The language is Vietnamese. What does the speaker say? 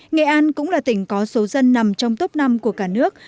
nghệ an cũng là tỉnh có số dân nằm trong top năm của cả nước